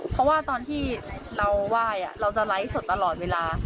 เพราะว่าตอนที่เราไหว้เราจะไลฟ์สดตลอดเวลา